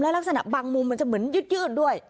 ลักษณะบางมุมมันจะเหมือนยืดด้วย